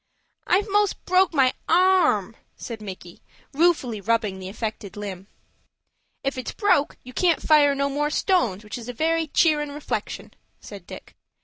"I've most broke my arm," said Micky, ruefully, rubbing the affected limb. "If it's broke you can't fire no more stones, which is a very cheerin' reflection," said Dick.